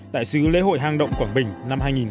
đại sứ lễ hội hang động quảng bình năm hai nghìn một mươi chín